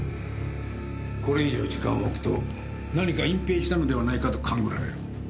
これ以上時間をおくと何か隠ぺいしたのではないかと勘ぐられる。